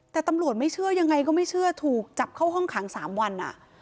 แต่ตำรวจไม่เชื่อยังไงก็ไม่เชื่อถูกจับเข้าห้องขัง๓วัน